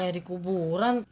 iya ini udah kayak dikuburan